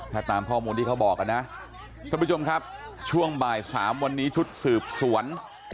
ถ้าตามข้อมูลที่เขาบอกกันนะท่านผู้ชมครับช่วงบ่ายสามวันนี้ชุดสืบสวน